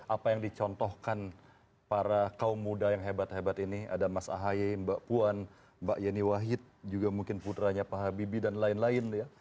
apa yang dicontohkan para kaum muda yang hebat hebat ini ada mas ahaye mbak puan mbak yeni wahid juga mungkin putranya pak habibie dan lain lain ya